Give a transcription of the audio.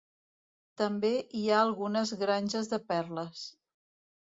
També hi ha algunes granges de perles.